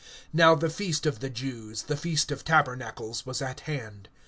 (2)Now the feast of the Jews, the feast of tabernacles, was at hand.